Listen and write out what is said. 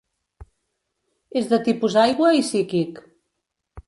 És de tipus aigua i psíquic.